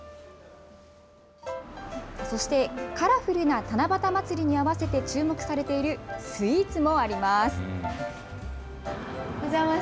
そして、カラフルな七夕まつりに合わせて注目されている、スイーツもあります。